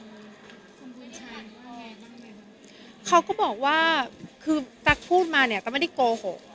คุณบุญชายบอกว่าคือตั๊กพูดมาเนี่ยต้องไม่ได้โกหก